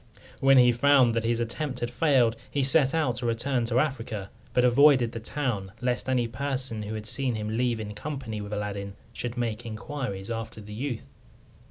When he found that his attempt had failed, he set out to return to Africa, but avoided the town, lest any person who had seen him leave in company with Aladdin should make inquiries after the youth.